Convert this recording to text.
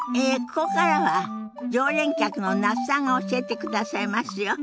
ここからは常連客の那須さんが教えてくださいますよ。